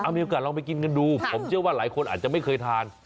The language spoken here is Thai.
มีโอกาสลองไปกินกันดูผมเชื่อว่าหลายคนอาจจะไม่เคยทาน